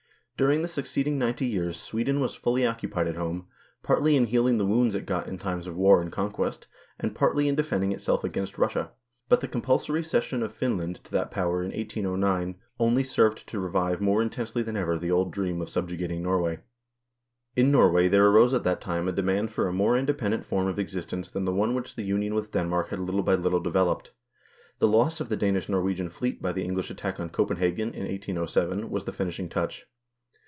During the succeeding ninety years Sweden was fully occupied at home, partly in healing the wounds it got in times of war and conquest, and partly in defending itself against Russia ; but the compulsory cession of Finland to that Power in 1 809 only served to revive more intensely than ever the old dream of subjugating Norway. In Norway there arose at that time a demand for a more independent form of existence than the one which the union with Denmark had little by little developed. The loss of the Danish Norwegian fleet by the English attack on Copenhagen, in 1807, was the finishing touch.